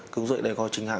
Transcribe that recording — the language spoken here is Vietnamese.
cứu dụng để coi chính hãng